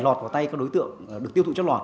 lọt vào tay các đối tượng được tiêu thụ chất lọt